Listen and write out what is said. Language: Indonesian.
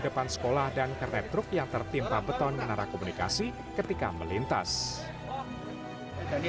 depan sekolah dan karet truk yang tertimpa beton narakomunikasi ketika melintas tadi